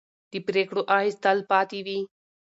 د پرېکړو اغېز تل پاتې وي